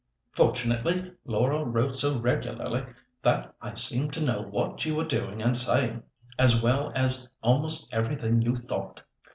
Fortunately, Laura wrote so regularly that I seemed to know what you were doing and saving, as well as almost everything you thought."